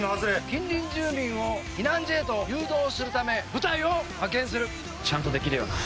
近隣住民を避難所へと誘導するためちゃんとできるよな。